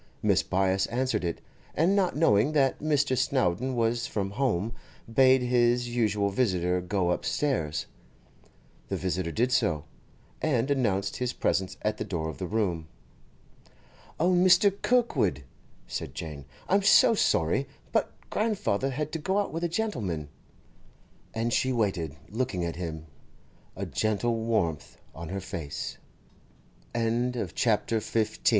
Mrs. Byass answered it, and not knowing that Mr. Snowdon was from home, bade his usual visitor go upstairs. The visitor did so, and announced his presence at the door of the room. 'Oh, Mr. Kirkwood,' said Jane, 'I'm so sorry, but grandfather had to go out with a gentleman.' And she waited, looking at him, a gentle warmth on her face. CHAPTER XVI DIALOGU